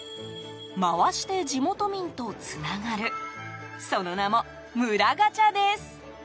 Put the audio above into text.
回して地元民とつながるその名も、村ガチャです。